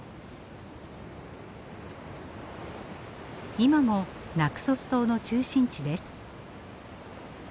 今もナクソス島の中心地です。